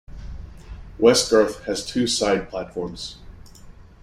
Westgarth has two side platforms.